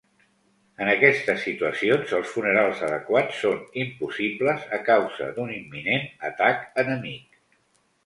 En aquestes situacions, els funerals adequats són impossibles a causa d'un imminent atac enemic.